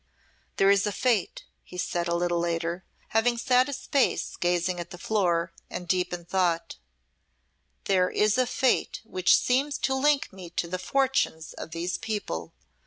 "There is a Fate," he said a little later, having sat a space gazing at the floor and deep in thought "there is a Fate which seems to link me to the fortunes of these people.